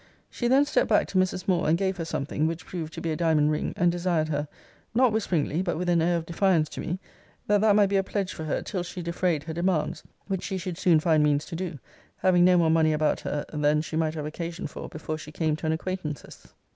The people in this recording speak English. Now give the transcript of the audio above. She then stept back to Mrs. Moore, and gave her something, which proved to be a diamond ring, and desired her [not whisperingly, but with an air of defiance to me] that that might be a pledge for her, till she defrayed her demands; which she should soon find means to do; having no more money about her than she might have occasion for before she came to an acquaintance's.